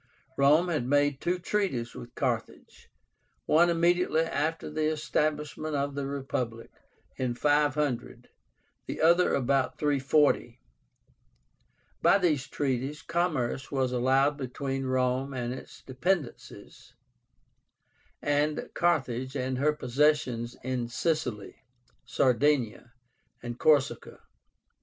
Rome had made two treaties with Carthage; one immediately after the establishment of the Republic, in 500, the other about 340. By these treaties commerce was allowed between Rome and its dependencies and Carthage and her possessions in Sicily, Sardinia, and Corsica.